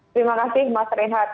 terima kasih mas rehat